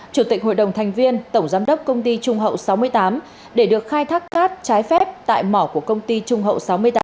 chủ tịch hội đồng thành viên tổng giám đốc công ty trung hậu sáu mươi tám để được khai thác cát trái phép tại mỏ của công ty trung hậu sáu mươi tám